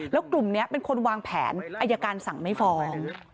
แล้วกลุ่มนี้เป็นคนวางแผนอายการสั่งไม่ฟ้อง